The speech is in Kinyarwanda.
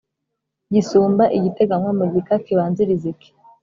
Gisumba igiteganywa mu gika kibanziriza Iki.